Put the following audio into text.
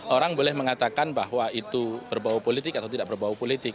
orang boleh mengatakan bahwa itu berbau politik atau tidak berbau politik